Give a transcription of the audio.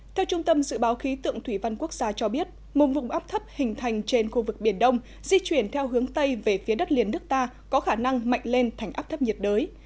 theo trung tâm dự báo khí tượng thủy văn quốc gia cho biết một vùng áp thấp hình thành trên khu vực biển đông di chuyển theo hướng tây về phía đất liền nước ta có khả năng mạnh lên thành áp thấp nhiệt đới